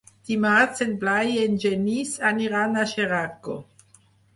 Dimarts en Blai i en Genís aniran a Xeraco.